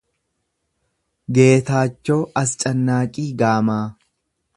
Geetaachoo Ascannaaqii Gaamaa